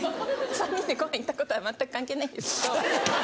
３人でご飯行ったことは全く関係ないんですけど。